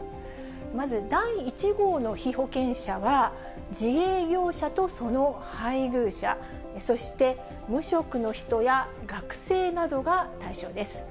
まず第１号の被保険者は、自営業者とその配偶者、そして無職の人や学生などが対象です。